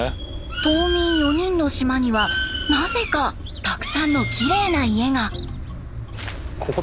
島民４人の島にはなぜかたくさんのきれいな家が。